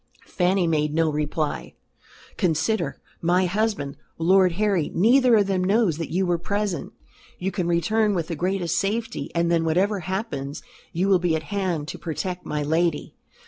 Fanny made no reply. "Consider my husband Lord Harry neither of them knows that you were present. You can return with the greatest safety; and then whatever happens, you will be at hand to protect my lady.